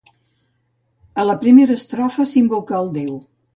A la primera estrofa s'invoca al déu.